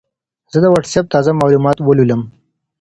زه د وټساپ تازه معلومات ولولم.